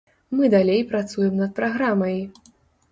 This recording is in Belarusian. Мы далей працуем над праграмай.